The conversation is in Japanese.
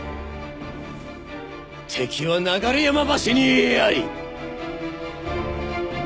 敵は流山橋にあり！